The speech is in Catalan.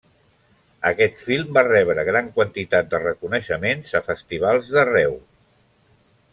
Aquest film va rebre gran quantitat de reconeixements a festivals d'arreu.